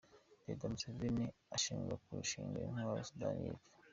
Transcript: Perezida Museveni ashinjwa kugurisha intwaro Sudani y’Epfo